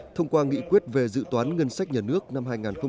thông qua nghị quyết về dự toán ngân sách nhà nước năm hai nghìn hai mươi